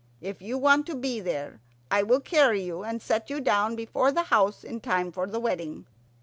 If you want to be there, I will carry you and set you down before the house in time for the wedding.